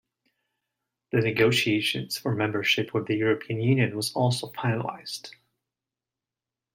The negotiations for membership with the European Union was also finalised.